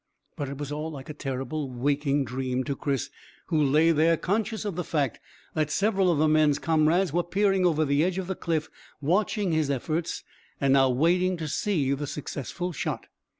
But it was all like a terrible waking dream to Chris, who lay there conscious of the fact that several of the man's comrades were peering over the edge of the cliff watching his efforts and now waiting to see the successful shot.